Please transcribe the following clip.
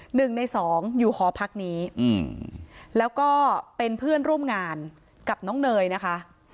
หนึ่งในสองอยู่หอพักนี้อืมแล้วก็เป็นเพื่อนร่วมงานกับน้องเนยนะคะ